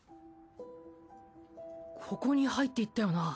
ここに入っていったよな？